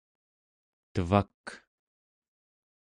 tevak